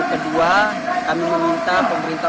kedua kami meminta pemerintah